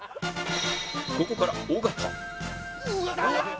ここから尾形